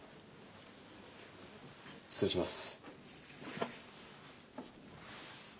失礼します。